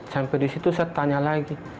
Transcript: sampai di situ saya tanya lagi